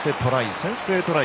先制トライ。